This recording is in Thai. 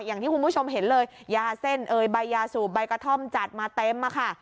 อย่างที่คุณผู้ชมเห็นเลยยาเส้นเอ่ยใบยาสูบใบกระท่อมจัดมาเต็มอะค่ะ